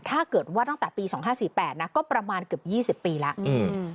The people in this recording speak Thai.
ถ้าเกิดว่าตั้งแต่ปี๒๕๔๘นั้นก็ประมาณเกือบ๒๐ปีแล้ว